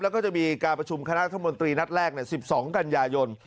แล้วก็จะมีการประชุมคณะรัฐมนตรีนัดแรก๑๒กันยายน